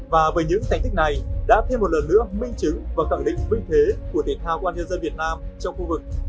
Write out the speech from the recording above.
và với những thành tích này đã thêm một lần nữa minh chứng và cẳng định vinh thế của thể thao công an nhân dân việt nam trong khu vực